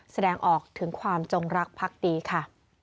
แสดงออกถึงความจงรักพักดีค่ะ